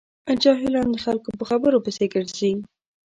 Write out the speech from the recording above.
جاهلان د خلکو په خبرو پسې ګرځي.